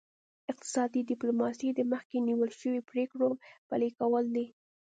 اقتصادي ډیپلوماسي د مخکې نیول شوو پریکړو پلي کول دي